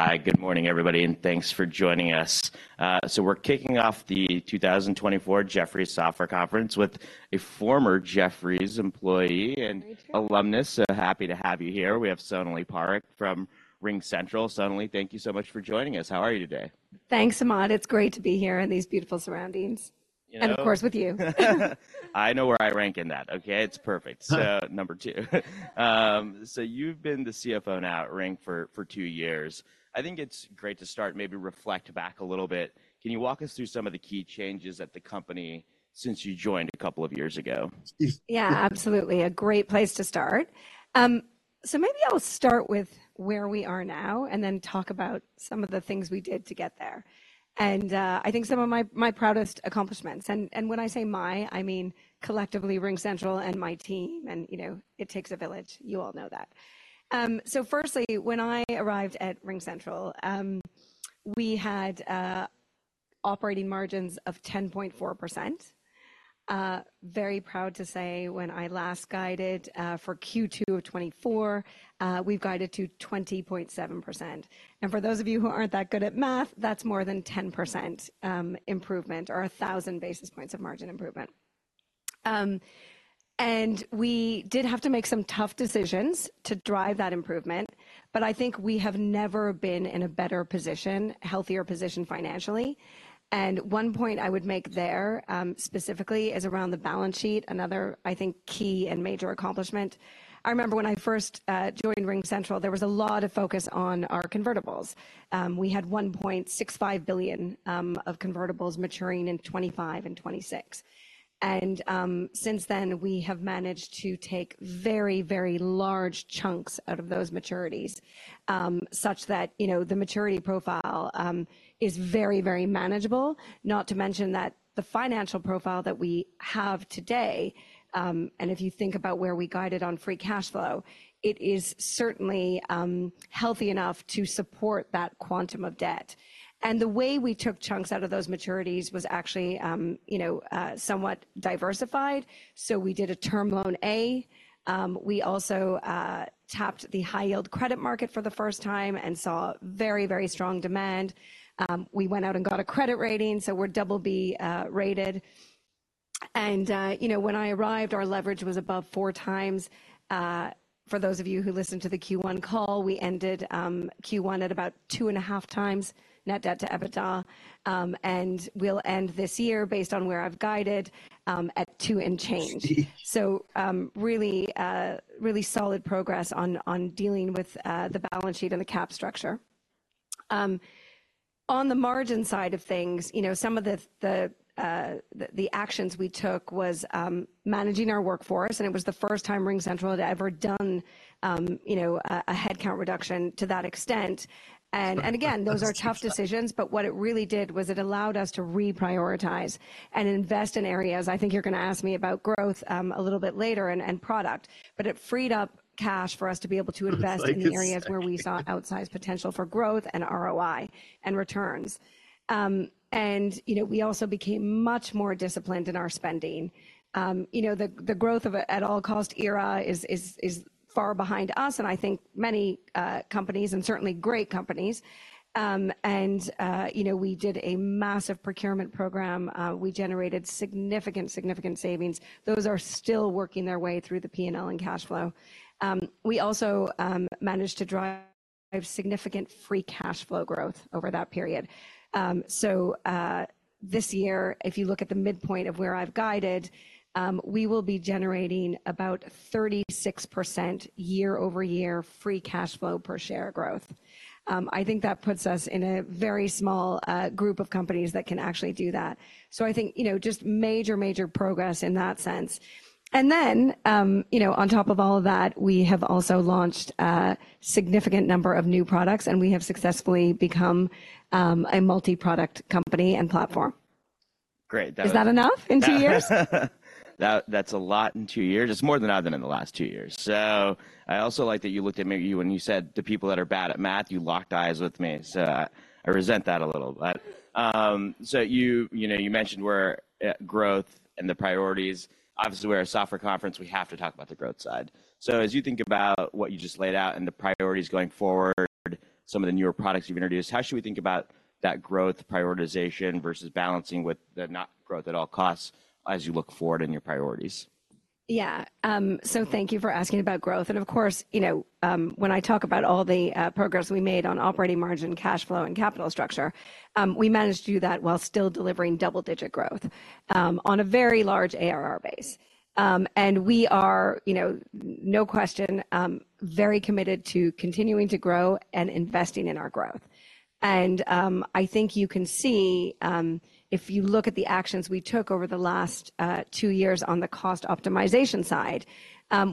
Hi, good morning, everybody, and thanks for joining us. So we're kicking off the 2024 Jefferies Software Conference with a former Jefferies employee and alumnus. So happy to have you here. We have Sonalee Parekh from RingCentral. Sonalee, thank you so much for joining us. How are you today? Thanks, Samad. It's great to be here in these beautiful surroundings. You know- Of course, with you. I know where I rank in that, okay? It's perfect. So number two. So you've been the CFO now at Ring for two years. I think it's great to start, maybe reflect back a little bit. Can you walk us through some of the key changes at the company since you joined a couple of years ago? Yeah, absolutely. A great place to start. So maybe I'll start with where we are now and then talk about some of the things we did to get there. And I think some of my, my proudest accomplishments, and when I say my, I mean collectively, RingCentral and my team, and you know, it takes a village. You all know that. So firstly, when I arrived at RingCentral, we had operating margins of 10.4%. Very proud to say, when I last guided for Q2 of 2024, we've guided to 20.7%. And for those of you who aren't that good at math, that's more than 10% improvement or 1,000 basis points of margin improvement. And we did have to make some tough decisions to drive that improvement, but I think we have never been in a better position, healthier position financially. And one point I would make there, specifically, is around the balance sheet, another, I think, key and major accomplishment. I remember when I first joined RingCentral, there was a lot of focus on our convertibles. We had $1.65 billion of convertibles maturing in 2025 and 2026. And since then, we have managed to take very, very large chunks out of those maturities, such that, you know, the maturity profile is very, very manageable. Not to mention that the financial profile that we have today, and if you think about where we guided on free cash flow, it is certainly healthy enough to support that quantum of debt. And the way we took chunks out of those maturities was actually, you know, somewhat diversified. So we did a Term Loan A, we also tapped the high-yield credit market for the first time and saw very, very strong demand. We went out and got a credit rating, so we're double B rated. And, you know, when I arrived, our leverage was above four times. For those of you who listened to the Q1 call, we ended Q1 at about 2.5 times net debt to EBITDA, and we'll end this year based on where I've guided, at two and change. Nice. So, really solid progress on dealing with the balance sheet and the cap structure. On the margin side of things, you know, some of the actions we took was managing our workforce, and it was the first time RingCentral had ever done, you know, a headcount reduction to that extent. That's right. And again, those are tough decisions, but what it really did was it allowed us to reprioritize and invest in areas. I think you're going to ask me about growth a little bit later and product, but it freed up cash for us to be able to invest- I was like-... in the areas where we saw outsized potential for growth and ROI and returns. And, you know, we also became much more disciplined in our spending. You know, the growth of an at-all-cost era is far behind us, and I think many companies and certainly great companies. You know, we did a massive procurement program. We generated significant savings. Those are still working their way through the P&L and cash flow. We also managed to drive significant free cash flow growth over that period. So, this year, if you look at the midpoint of where I've guided, we will be generating about 36% year-over-year free cash flow per share growth. I think that puts us in a very small group of companies that can actually do that. So I think, you know, just major, major progress in that sense. And then, you know, on top of all of that, we have also launched a significant number of new products, and we have successfully become a multi-product company and platform. Great. That- Is that enough in two years? That, that's a lot in two years. It's more than I've done in the last two years. So I also like that you looked at me when you said, "The people that are bad at math," you locked eyes with me, so I resent that a little. But so you know, you mentioned the growth and the priorities. Obviously, we're a software conference; we have to talk about the growth side. So as you think about what you just laid out and the priorities going forward, some of the newer products you've introduced, how should we think about that growth prioritization versus balancing with the not growth at all costs as you look forward in your priorities? Yeah. So thank you for asking about growth. And of course, you know, when I talk about all the progress we made on operating margin, cash flow, and capital structure, we managed to do that while still delivering double-digit growth on a very large ARR base. And we are, you know, no question, very committed to continuing to grow and investing in our growth. And I think you can see if you look at the actions we took over the last two years on the cost optimization side,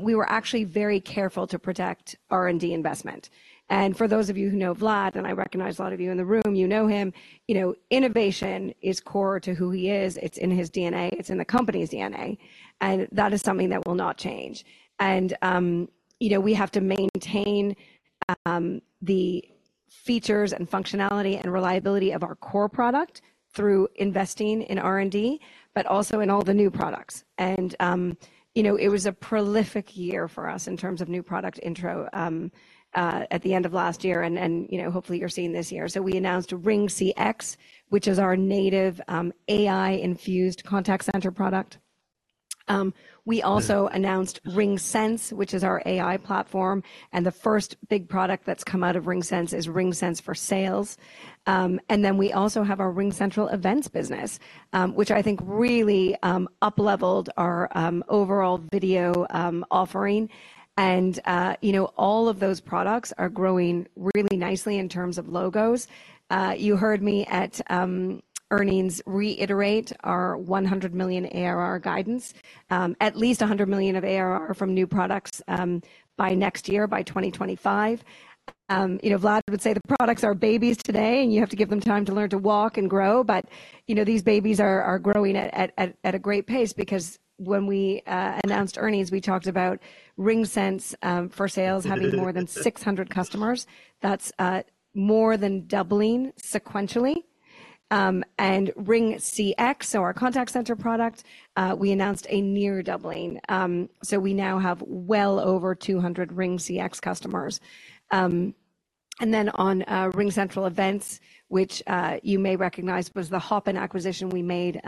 we were actually very careful to protect R&D investment. And for those of you who know Vlad, and I recognize a lot of you in the room, you know him, you know, innovation is core to who he is. It's in his DNA, it's in the company's DNA, and that is something that will not change. And, you know, we have to maintain the features and functionality and reliability of our core product through investing in R&D, but also in all the new products. And, you know, it was a prolific year for us in terms of new product intro at the end of last year and, you know, hopefully you're seeing this year. So we announced RingCX, which is our native, AI-infused contact center product. We also announced- Yeah. RingSense, which is our AI platform, and the first big product that's come out of RingSense is RingSense for Sales. And then we also have our RingCentral Events business, which I think really upleveled our overall video offering. And, you know, all of those products are growing really nicely in terms of logos. You heard me at earnings reiterate our 100 million ARR guidance, at least 100 million of ARR from new products, by next year, by 2025. You know, Vlad would say the products are babies today, and you have to give them time to learn to walk and grow, but, you know, these babies are growing at a great pace because when we announced earnings, we talked about RingSense for Sales having more than 600 customers. That's more than doubling sequentially. And RingCX, so our contact center product, we announced a near doubling. So we now have well over 200 RingCX customers. And then on RingCentral Events, which you may recognize, was the Hopin acquisition we made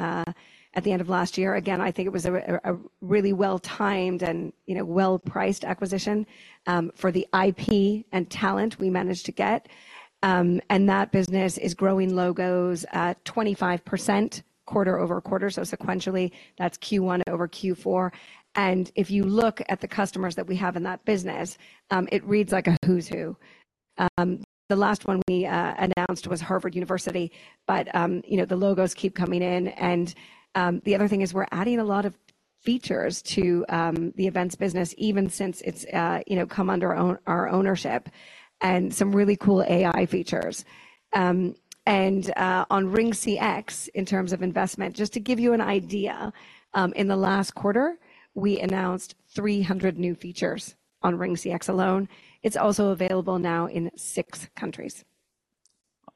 at the end of last year. Again, I think it was a really well-timed and, you know, well-priced acquisition for the IP and talent we managed to get. And that business is growing logos at 25% quarter-over-quarter, so sequentially, that's Q1 over Q4. And if you look at the customers that we have in that business, it reads like a who's who. The last one we announced was Harvard University, but you know, the logos keep coming in, and the other thing is we're adding a lot of features to the events business, even since it's you know, come under our ownership, and some really cool AI features. On RingCX, in terms of investment, just to give you an idea, in the last quarter, we announced 300 new features on RingCX alone. It's also available now in six countries.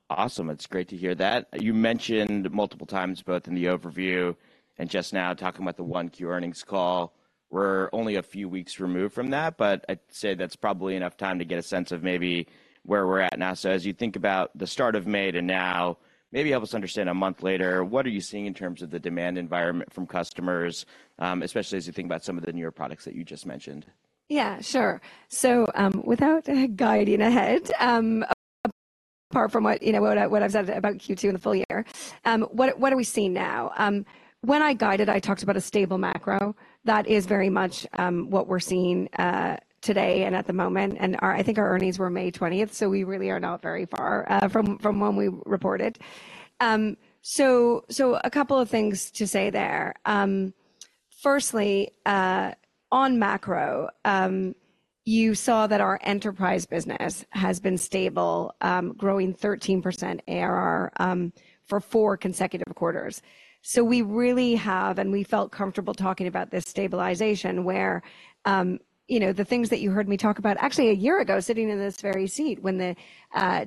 Awesome. It's great to hear that. You mentioned multiple times, both in the overview and just now, talking about the 1Q earnings call. We're only a few weeks removed from that, but I'd say that's probably enough time to get a sense of maybe where we're at now. So as you think about the start of May to now, maybe help us understand a month later, what are you seeing in terms of the demand environment from customers, especially as you think about some of the newer products that you just mentioned? Yeah, sure. So, without guiding ahead, apart from what, you know, what I've said about Q2 and the full year, what are we seeing now? When I guided, I talked about a stable macro. That is very much what we're seeing today and at the moment, and I think our earnings were May twentieth, so we really are not very far from when we reported. So, a couple of things to say there. Firstly, on macro, you saw that our enterprise business has been stable, growing 13% ARR for four consecutive quarters. So we really have, and we felt comfortable talking about this stabilization, where, you know, the things that you heard me talk about actually a year ago, sitting in this very seat when the,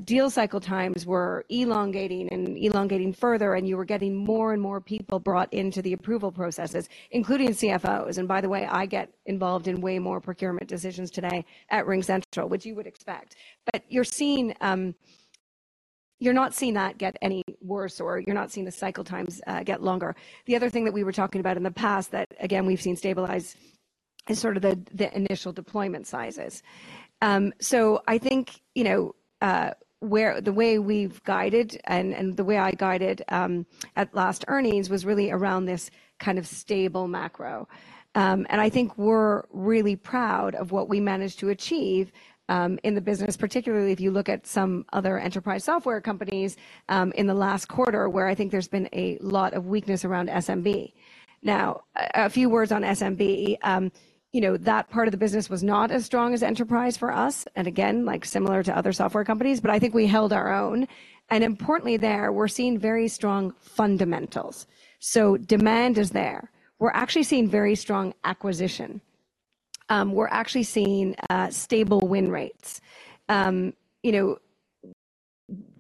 deal cycle times were elongating and elongating further, and you were getting more and more people brought into the approval processes, including CFOs. And by the way, I get involved in way more procurement decisions today at RingCentral, which you would expect. But you're seeing, you're not seeing that get any worse or you're not seeing the cycle times, get longer. The other thing that we were talking about in the past that, again, we've seen stabilize is sort of the, the initial deployment sizes. So I think, you know, the way we've guided and the way I guided at last earnings was really around this kind of stable macro. And I think we're really proud of what we managed to achieve in the business, particularly if you look at some other enterprise software companies in the last quarter, where I think there's been a lot of weakness around SMB. Now, a few words on SMB. You know, that part of the business was not as strong as enterprise for us, and again, like, similar to other software companies, but I think we held our own. And importantly, there, we're seeing very strong fundamentals. So demand is there. We're actually seeing very strong acquisition. We're actually seeing stable win rates. You know,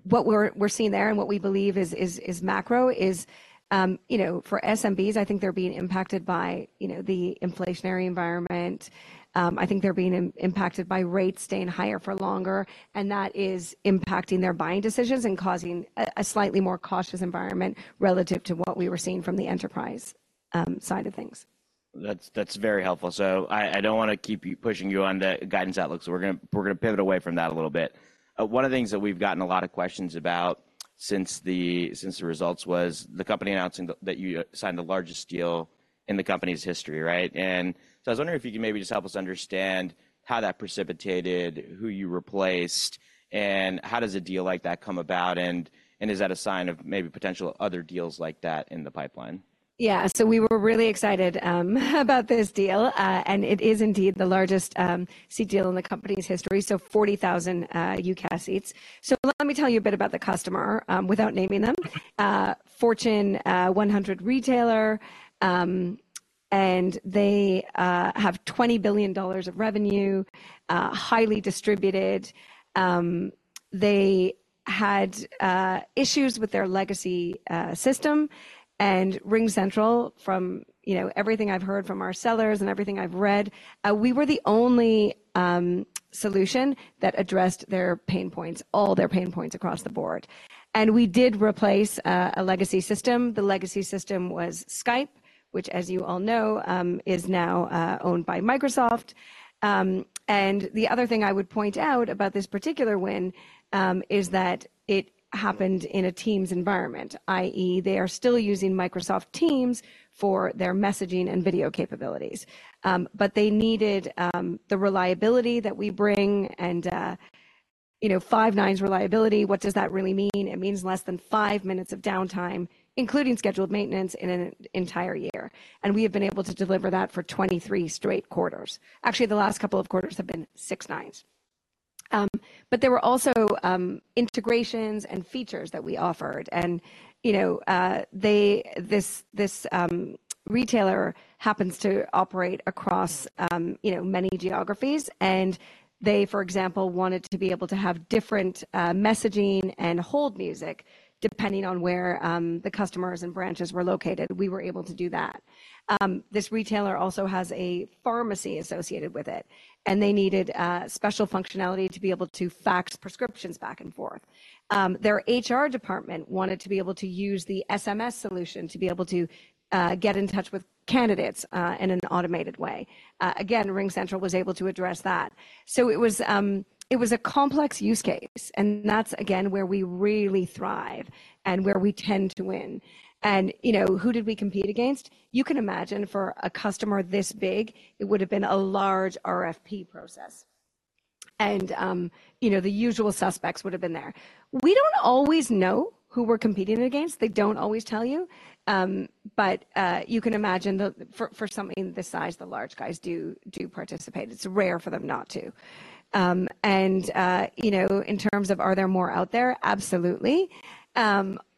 what we're seeing there and what we believe is macro is, you know, for SMBs, I think they're being impacted by, you know, the inflationary environment. I think they're being impacted by rates staying higher for longer, and that is impacting their buying decisions and causing a slightly more cautious environment relative to what we were seeing from the enterprise, side of things. That's, that's very helpful. So I, I don't want to keep you, pushing you on the guidance outlook, so we're gonna, we're gonna pivot away from that a little bit. One of the things that we've gotten a lot of questions about since the, since the results was the company announcing that, that you signed the largest deal in the company's history, right? And so I was wondering if you could maybe just help us understand how that precipitated, who you replaced, and how does a deal like that come about, and, and is that a sign of maybe potential other deals like that in the pipeline? Yeah. So we were really excited about this deal, and it is indeed the largest seat deal in the company's history, so 40,000 UCaaS seats. So let me tell you a bit about the customer without naming them. Fortune 100 retailer, and they have $20 billion of revenue, highly distributed. They had issues with their legacy system, and RingCentral from, you know, everything I've heard from our sellers and everything I've read, we were the only solution that addressed their pain points, all their pain points across the board. And we did replace a legacy system. The legacy system was Skype, which, as you all know, is now owned by Microsoft. And the other thing I would point out about this particular win is that it happened in a Teams environment, i.e., they are still using Microsoft Teams for their messaging and video capabilities. But they needed the reliability that we bring and, you know, five nines reliability. What does that really mean? It means less than five minutes of downtime, including scheduled maintenance, in an entire year, and we have been able to deliver that for 23 straight quarters. Actually, the last couple of quarters have been six nines. But there were also integrations and features that we offered and, you know, this retailer happens to operate across you know, many geographies, and they, for example, wanted to be able to have different messaging and hold music, depending on where the customers and branches were located. We were able to do that. This retailer also has a pharmacy associated with it, and they needed special functionality to be able to fax prescriptions back and forth. Their HR department wanted to be able to use the SMS solution to be able to get in touch with candidates in an automated way. Again, RingCentral was able to address that. So it was a complex use case, and that's again, where we really thrive and where we tend to win. And, you know, who did we compete against? You can imagine for a customer this big, it would have been a large RFP process, and, you know, the usual suspects would have been there. We don't always know who we're competing against. They don't always tell you. But you can imagine, for something this size, the large guys do participate. It's rare for them not to. And you know, in terms of, are there more out there? Absolutely.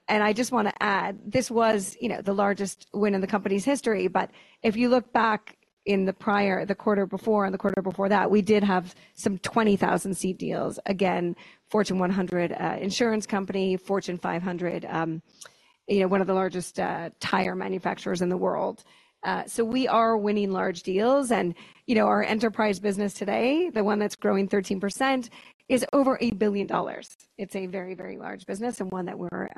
And I just want to add, this was, you know, the largest win in the company's history, but if you look back in the prior quarter, the quarter before and the quarter before that, we did have some 20,000-seat deals. Again, Fortune 100 insurance company, Fortune 500, you know, one of the largest tire manufacturers in the world. So we are winning large deals and, you know, our enterprise business today, the one that's growing 13%, is over $1 billion. It's a very, very large business and one that we're,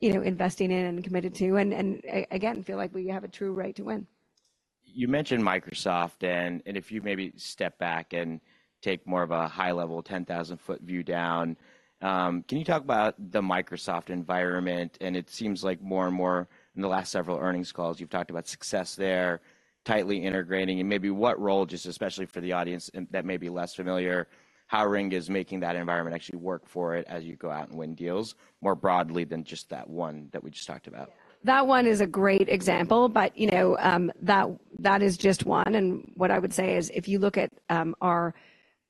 you know, investing in and committed to, and, and again, feel like we have a true right to win. You mentioned Microsoft, and if you maybe step back and take more of a high-level, 10,000-foot view down, can you talk about the Microsoft environment? And it seems like more and more in the last several earnings calls, you've talked about success there, tightly integrating, and maybe what role, just especially for the audience that may be less familiar, how Ring is making that environment actually work for it as you go out and win deals more broadly than just that one that we just talked about. That one is a great example, but, you know, that, that is just one. And what I would say is, if you look at, our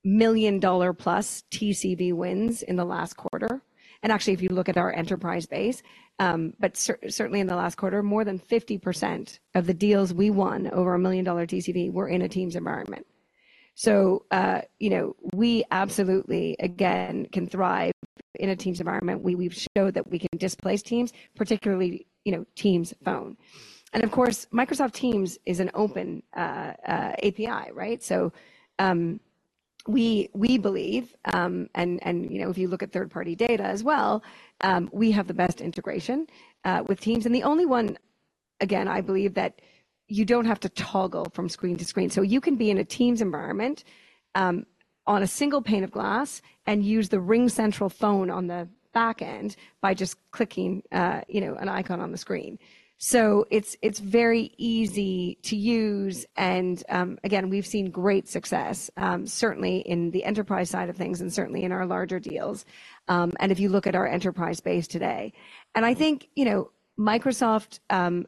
$1 million+ TCV wins in the last quarter, and actually, if you look at our enterprise base, but certainly in the last quarter, more than 50% of the deals we won over a $1 million TCV were in a Teams environment. So, you know, we absolutely, again, can thrive in a Teams environment. We, we've showed that we can displace Teams, particularly, you know, Teams Phone. And of course, Microsoft Teams is an open, API, right? So, we, we believe, and, and, you know, if you look at third-party data as well, we have the best integration, with Teams, and the only one, again, I believe, that you don't have to toggle from screen to screen. So you can be in a Teams environment, on a single pane of glass and use the RingCentral phone on the back end by just clicking, you know, an icon on the screen. So it's very easy to use, and, again, we've seen great success, certainly in the enterprise side of things and certainly in our larger deals, and if you look at our enterprise base today. And I think, you know, Microsoft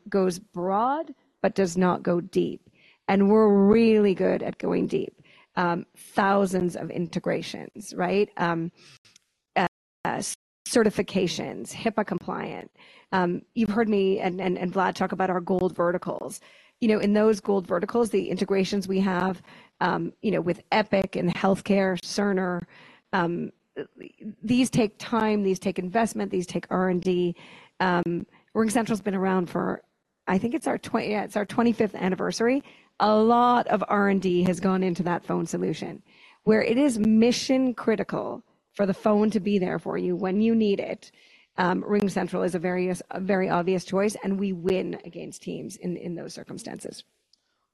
goes broad but does not go deep, and we're really good at going deep. Thousands of integrations, right? Certifications, HIPAA compliant. You've heard me and Vlad talk about our gold verticals. You know, in those gold verticals, the integrations we have, you know, with Epic and healthcare, Cerner, these take time, these take investment, these take R&D. RingCentral's been around for... I think it's our 25th anniversary. A lot of R&D has gone into that phone solution, where it is mission-critical for the phone to be there for you when you need it. RingCentral is a very obvious choice, and we win against Teams in those circumstances.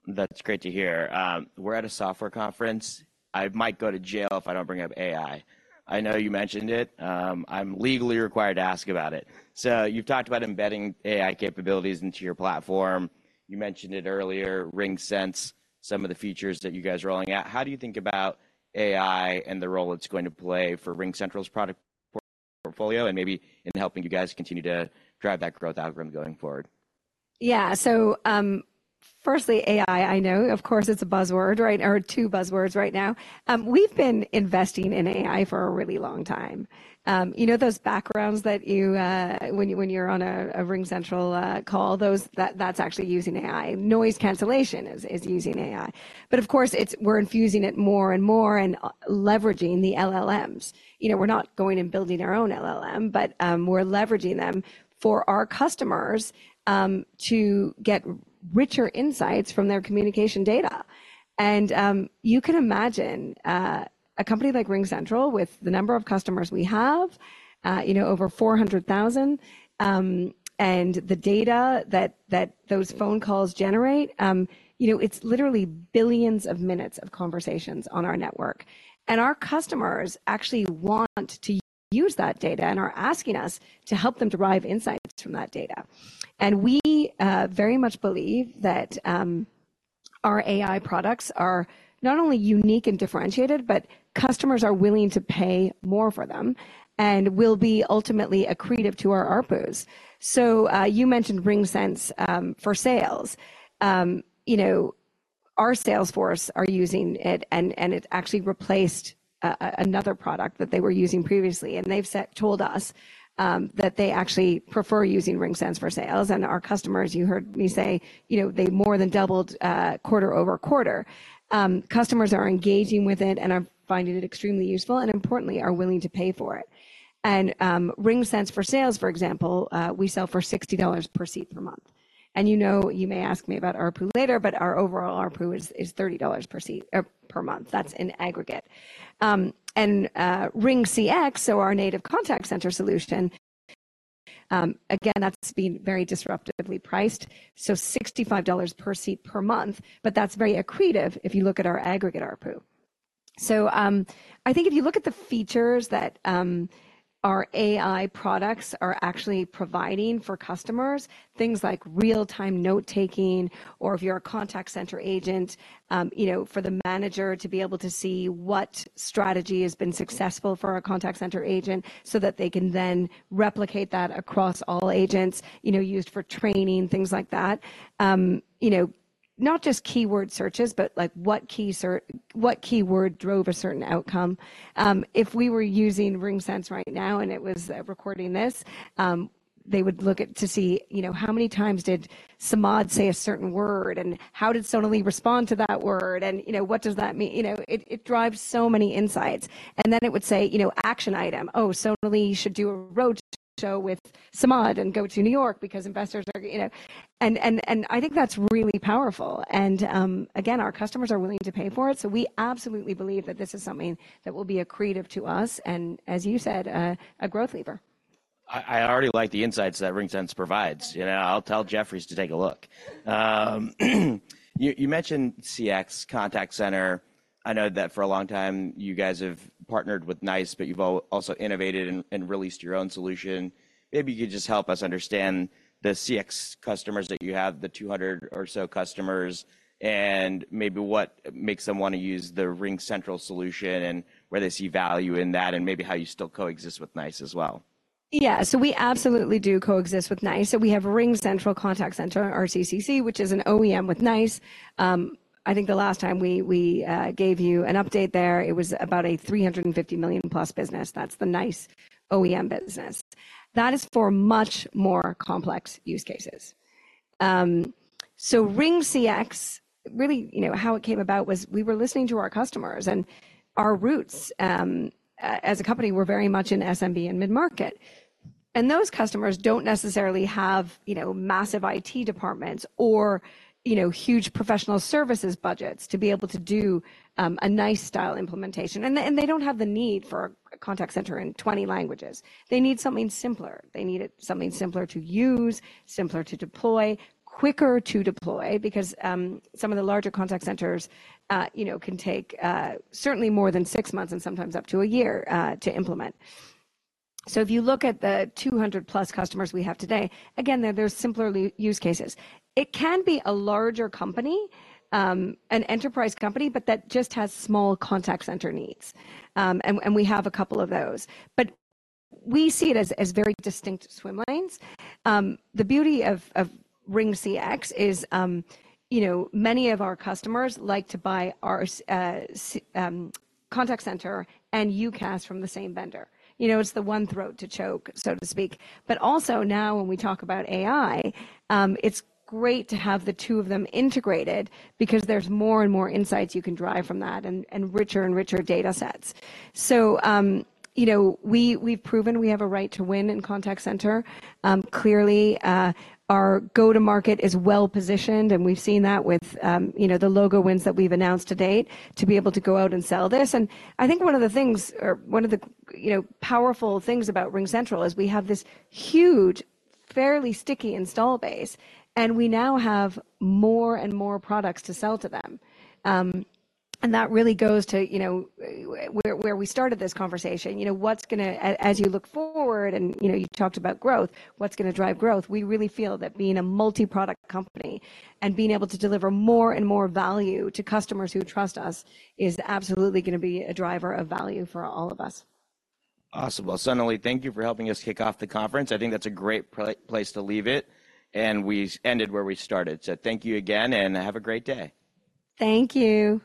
That's great to hear. We're at a software conference. I might go to jail if I don't bring up AI. I know you mentioned it. I'm legally required to ask about it. So you've talked about embedding AI capabilities into your platform. You mentioned it earlier, RingSense, some of the features that you guys are rolling out. How do you think about AI and the role it's going to play for RingCentral's product portfolio and maybe in helping you guys continue to drive that growth algorithm going forward? Yeah, so, firstly, AI, I know, of course, it's a buzzword, right? Or two buzzwords right now. We've been investing in AI for a really long time. You know those backgrounds that you, when you, when you're on a, a RingCentral, call, that, that's actually using AI. Noise cancellation is using AI. But of course, we're infusing it more and more and, leveraging the LLMs. You know, we're not going and building our own LLM, but, we're leveraging them for our customers, to get richer insights from their communication data. And, you can imagine, a company like RingCentral, with the number of customers we have, you know, over 400,000, and the data that, that those phone calls generate, you know, it's literally billions of minutes of conversations on our network. Our customers actually want to use that data and are asking us to help them derive insights from that data. We very much believe that our AI products are not only unique and differentiated, but customers are willing to pay more for them and will be ultimately accretive to our ARPUs. You mentioned RingSense for Sales. You know, our sales force are using it, and it actually replaced another product that they were using previously, and they've told us that they actually prefer using RingSense for Sales. Our customers, you heard me say, you know, they more than doubled quarter-over-quarter. Customers are engaging with it and are finding it extremely useful, and importantly, are willing to pay for it. RingSense for Sales, for example, we sell for $60 per seat per month. You know, you may ask me about ARPU later, but our overall ARPU is $30 per seat per month. That's in aggregate. RingCX, so our native contact center solution, again, that's been very disruptively priced, so $65 per seat per month, but that's very accretive if you look at our aggregate ARPU. I think if you look at the features that our AI products are actually providing for customers, things like real-time note-taking, or if you're a contact center agent, you know, for the manager to be able to see what strategy has been successful for a contact center agent so that they can then replicate that across all agents, you know, used for training, things like that. You know, not just keyword searches, but like, what key search- what keyword drove a certain outcome? If we were using RingSense right now, and it was recording this, they would look at to see, you know, how many times did Samad say a certain word, and how did Sonalee respond to that word, and, you know, what does that mean? You know, it, it drives so many insights. And then it would say, you know, "Action item: Oh, Sonalee should do a road show with Samad and go to New York because investors are..." You know, and, and, and I think that's really powerful. And, again, our customers are willing to pay for it, so we absolutely believe that this is something that will be accretive to us, and as you said, a growth lever. I already like the insights that RingSense provides. You know, I'll tell Jefferies to take a look. You mentioned CX, contact center. I know that for a long time you guys have partnered with NICE, but you've also innovated and released your own solution. Maybe you could just help us understand the CX customers that you have, the 200 or so customers, and maybe what makes them want to use the RingCentral solution, and where they see value in that, and maybe how you still coexist with NICE as well. Yeah. So we absolutely do coexist with NICE. So we have RingCentral Contact Center, RCCC, which is an OEM with NICE. I think the last time we gave you an update there, it was about a $350 million+ business. That's the NICE OEM business. That is for much more complex use cases. So RingCX, really, you know, how it came about was we were listening to our customers, and our roots, as a company were very much in SMB and mid-market. And those customers don't necessarily have, you know, massive IT departments or, you know, huge professional services budgets to be able to do, a NICE-style implementation. And they don't have the need for a contact center in 20 languages. They need something simpler. They needed something simpler to use, simpler to deploy, quicker to deploy, because some of the larger contact centers, you know, can take certainly more than six months and sometimes up to a year to implement. So if you look at the 200+ customers we have today, again, they're simpler use cases. It can be a larger company, an enterprise company, but that just has small contact center needs. And we have a couple of those. But we see it as very distinct swim lanes. The beauty of RingCX is, you know, many of our customers like to buy our contact center and UCaaS from the same vendor. You know, it's the one throat to choke, so to speak. But also now, when we talk about AI, it's great to have the two of them integrated because there's more and more insights you can derive from that, and, and richer and richer data sets. So, you know, we, we've proven we have a right to win in contact center. Clearly, our go-to-market is well-positioned, and we've seen that with, you know, the logo wins that we've announced to date, to be able to go out and sell this. And I think one of the things, or one of the, you know, powerful things about RingCentral is we have this huge, fairly sticky install base, and we now have more and more products to sell to them. And that really goes to, you know, where we started this conversation. You know, what's gonna... As you look forward, and, you know, you talked about growth, what's gonna drive growth? We really feel that being a multi-product company and being able to deliver more and more value to customers who trust us is absolutely gonna be a driver of value for all of us. Awesome. Well, Sonalee, thank you for helping us kick off the conference. I think that's a great place to leave it, and we ended where we started. So thank you again, and have a great day. Thank you.